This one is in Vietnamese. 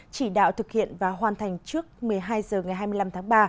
chỉ đạo thực hiện và hoàn thành trước một mươi hai h ngày hai mươi năm tháng ba